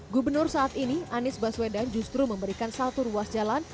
gubernur saat ini anies baswedan justru memberikan satu ruas jalan